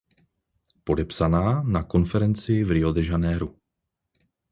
Podepsána na konferenci v Rio de Janeiru.